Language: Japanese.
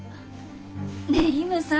ねえイムさん